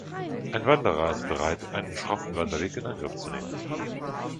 Ein Wanderer ist bereit, einen schroffen Wanderweg in Angriff zu nehmen.